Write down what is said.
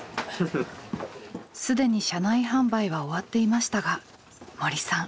既に車内販売は終わっていましたが森さん。